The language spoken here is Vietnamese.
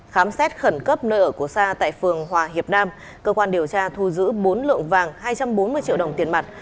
khám xét khẩn cấp nơi ở của sa tại phường hòa hiệp nam cơ quan điều tra thu giữ bốn lượng vàng hai trăm bốn mươi triệu đồng tiền mặt